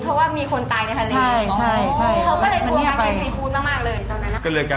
แบบนี้แค่วุนวาย